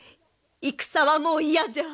戦はもう嫌じゃ！